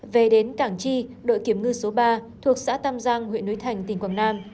về đến cảng chi đội kiểm ngư số ba thuộc xã tam giang huyện núi thành tỉnh quảng nam